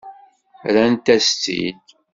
Rrant-as-tt-id.